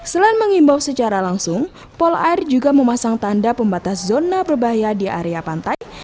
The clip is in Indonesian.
selain mengimbau secara langsung polair juga memasang tanda pembatas zona berbahaya di area pantai